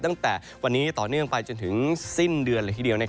ตั้งแต่วันนี้ต่อเนื่องไปจนถึงสิ้นเดือนเลยทีเดียว